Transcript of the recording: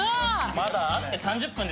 まだ会って３０分ですけどね。